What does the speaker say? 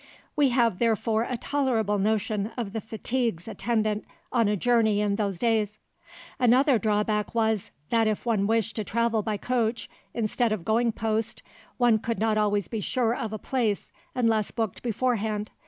We have therefore a tolerable notion of the fatigues attendant on a journey in those days. Another drawback was, that if one wished to travel by coach instead of going post, one could not always be sure of a place unless booked beforehand.